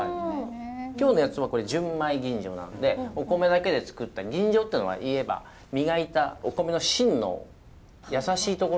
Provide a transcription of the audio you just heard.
今日のやつも純米吟醸なんでお米だけで造った吟醸ってのは言えば磨いたお米の芯の優しいところの味わいを出す。